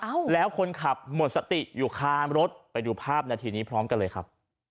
แล้วคนขับหมดสติอยู่คานรถไปดูภาพนาทีนี้พร้อมกันเลยครับ